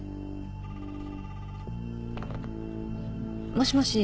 もしもし。